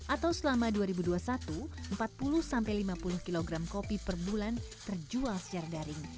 atau selama dua ribu dua puluh satu empat puluh lima puluh kg kopi per bulan terjual secara daring